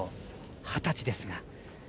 二十歳ですが。